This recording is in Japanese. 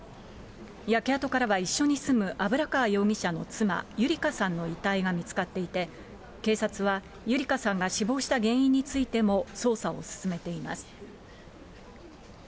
焼け跡からは一緒に住む油川容疑者の妻、優理香さんの遺体が見つかっていて、警察は優理香さんが死亡した原因についても捜査を進めています。